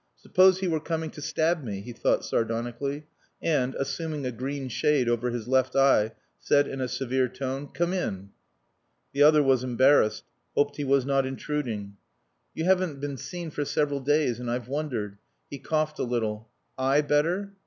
"Suppose he were coming to stab me?" he thought sardonically, and, assuming a green shade over his left eye, said in a severe tone, "Come in." The other was embarrassed; hoped he was not intruding. "You haven't been seen for several days, and I've wondered." He coughed a little. "Eye better?"